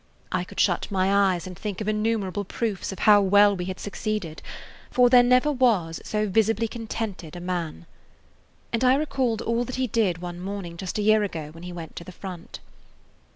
I could shut my eyes and think of innumerable proofs [Page 10] of how well we had succeeded, for there never was so visibly contented a man. And I recalled all that he did one morning just a year ago when he went to the front.